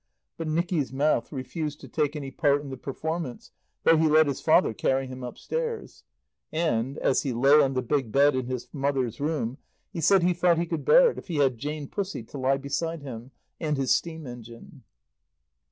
But Nicky's mouth refused to take any part in the performance, though he let his father carry him upstairs. And, as he lay on the big bed in his mother's room, he said he thought he could bear it if he had Jane Pussy to lie beside him, and his steam engine.